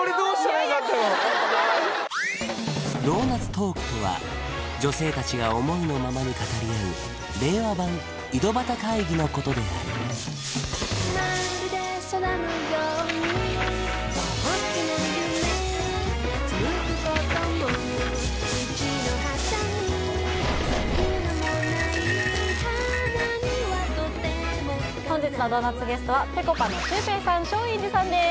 ドーナツトークとは女性達が思いのままに語り合う令和版井戸端会議のことである本日のドーナツゲストはぺこぱのシュウペイさん松陰寺さんです